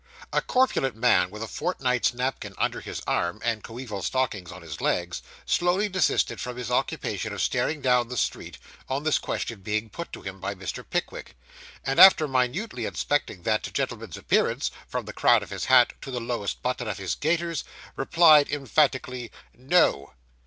A corpulent man, with a fortnight's napkin under his arm, and coeval stockings on his legs, slowly desisted from his occupation of staring down the street, on this question being put to him by Mr. Pickwick; and, after minutely inspecting that gentleman's appearance, from the crown of his hat to the lowest button of his gaiters, replied emphatically 'No!